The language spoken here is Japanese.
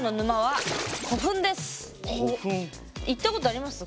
そして行ったことあります？